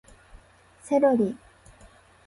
セロリ